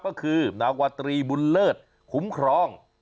ก็คือนาวาตรีบุญเลิศคุ้มครอง